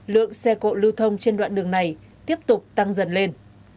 lượng xe cộ lưu thông trên đoạn đường này tiếp tục tăng dần lên